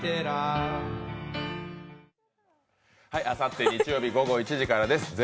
あさって日曜日午後１時からです。